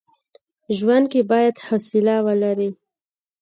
ژوند کي بايد حوصله ولري.